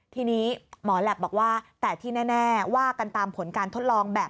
ทีนี้หมอแหลปบอกว่าแต่ที่แน่ว่ากันตามผลการทดลองแบบ